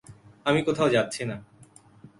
আমি কোথাও যাচ্ছি না!